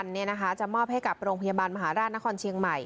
ศพของนางสาวิราวัลจะมอบให้กับโรงพยาบาลมหาราชนครเชียงใหม่